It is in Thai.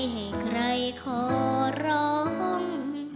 ให้ใครขอร้อง